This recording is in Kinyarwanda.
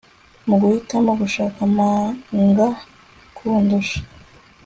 Muguhitamo gushira amanga kundusha